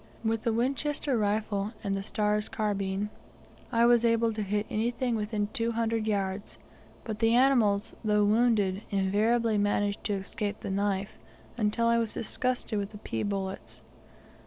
With the Winchester rifle, and the Starr's carbine, I was able to hit anything within two hundred yards, but the animals, though wounded, invariably managed to escape the knife, until I was disgusted with the pea bullets.